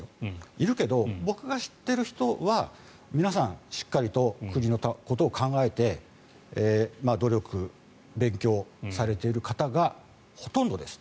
いるけど僕が知ってる人は皆さんしっかりと国のことを考えて努力、勉強されている方がほとんどです。